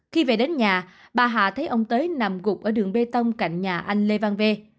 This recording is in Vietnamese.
khi về đến nhà bà hà thấy ông tới nằm gục ở đường bê tông cạnh nhà anh lê văn v